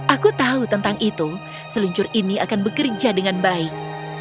aku tahu tentang itu seluncur ini akan bekerja dengan baik